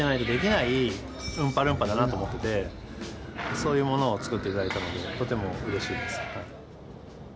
そういうものを作っていただいたのでとてもうれしいです。